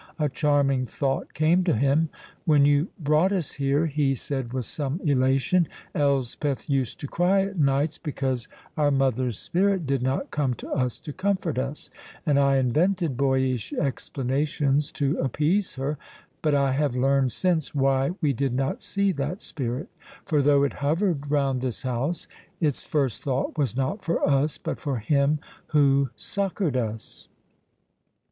A charming thought came to him. "When you brought us here," he said, with some elation, "Elspeth used to cry at nights because our mother's spirit did not come to us to comfort us, and I invented boyish explanations to appease her. But I have learned since why we did not see that spirit; for though it hovered round this house, its first thought was not for us, but for him who succoured us."